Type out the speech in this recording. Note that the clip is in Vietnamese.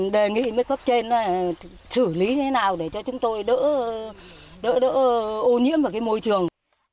đề nghị với cấp trên xử lý thế nào để cho chúng tôi đỡ đỡ ô nhiễm vào cái môi trường